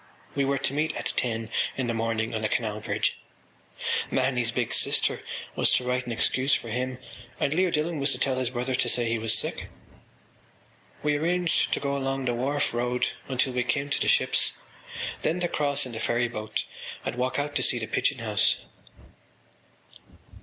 We were to meet at ten in the morning on the Canal Bridge. Mahony’s big sister was to write an excuse for him and Leo Dillon was to tell his brother to say he was sick. We arranged to go along the Wharf Road until we came to the ships, then to cross in the ferryboat and walk out to see the Pigeon House.